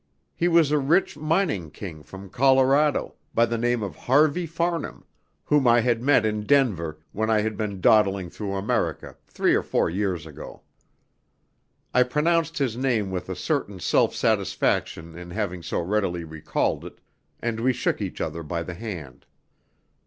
He was a rich mining king from Colorado, by the name of Harvey Farnham, whom I had met in Denver, when I had been dawdling through America three or four years ago. I pronounced his name with a certain self satisfaction in having so readily recalled it, and we shook each other by the hand.